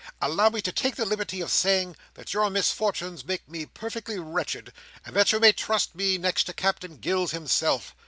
Allow me to take the liberty of saying, that your misfortunes make me perfectly wretched, and that you may trust me, next to Captain Gills himself.